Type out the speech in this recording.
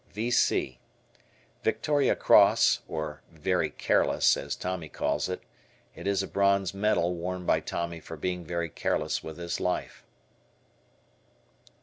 V V.C. Victoria Cross, or "Very careless" as Tommy calls it. It is a bronze medal won by Tommy for being very careless with his life.